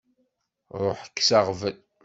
Ruḥ kkes aɣbel.